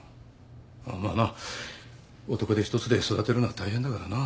あっまあな男手一つで育てるのは大変だからな。